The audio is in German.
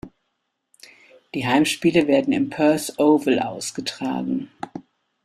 Die Heimspiele werden im Perth Oval ausgetragen.